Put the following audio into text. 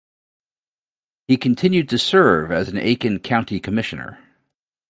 He continued to serve as an Aiken County commissioner.